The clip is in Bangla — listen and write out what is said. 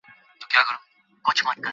আরও একবার বিদেশ সফরের জন্য মনোনীত হন।